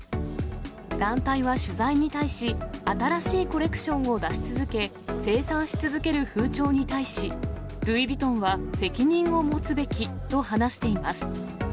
団体は取材に対し、新しいコレクションを出し続け、生産し続ける風潮に対し、ルイ・ヴィトンは責任を持つべきと話しています。